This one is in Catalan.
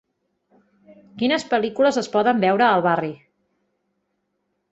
Quines pel·lícules es poden veure al barri